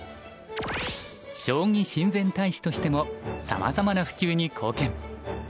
将棋親善大使としてもさまざまな普及に貢献。